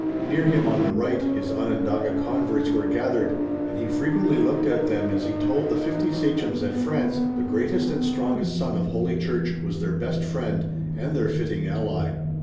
Near him on the right, his Onondaga converts were gathered, and he frequently looked at them as he told the fifty sachems that France, the greatest and strongest son of Holy Church, was their best friend, and their fitting ally.